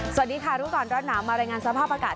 สวัสดีค่ะรู้ก่อนร้อนหนาวมารายงานสภาพอากาศ